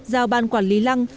giao ban quản lý lăng